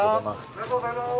ありがとうございます。